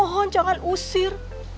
mohon jangan usir